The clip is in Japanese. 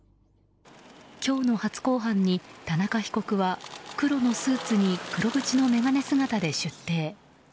今日の初公判に田中被告は黒のスーツに黒縁の眼鏡姿で出廷。